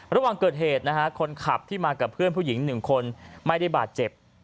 ระหว่างเกิดเหตุนะฮะคนขับที่มากับเพื่อนผู้หญิง๑คนไม่ได้บาดเจ็บ